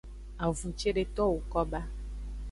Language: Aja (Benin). Avun cedeto woko ba.